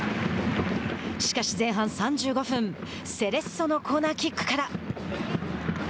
しかし、前半３５分セレッソのコーナーキックから。